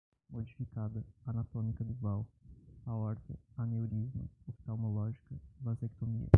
modificada, anatômica duval, aorta, aneurisma, oftalmológica, vasectomia